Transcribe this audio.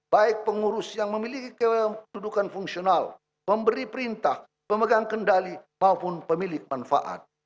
baik pengurus yang memiliki kedudukan fungsional pemberi perintah pemegang kendali maupun pemilik manfaat